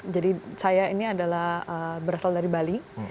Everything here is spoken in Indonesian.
jadi saya ini adalah berasal dari bali